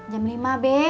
jam lima be